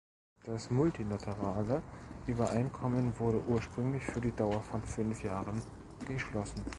Das multilaterale Übereinkommen wurde ursprünglich für die Dauer von fünf Jahren geschlossen.